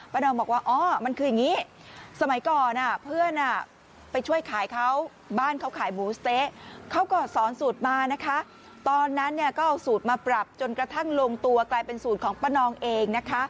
นองบอกว่าอ๋อมันคืออย่างนี้สมัยก่อนเพื่อนไปช่วยขายเขาบ้านเขาขายหมูสเต๊ะเขาก็สอนสูตรมานะคะตอนนั้นเนี่ยก็เอาสูตรมาปรับจนกระทั่งลงตัวกลายเป็นสูตรของป้านองเองนะคะ